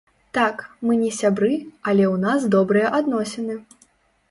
Так, мы не сябры, але ў нас добрыя адносіны.